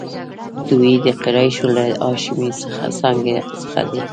دوی د قریشو له هاشمي څانګې څخه دي.